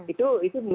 itu menurut saya butuh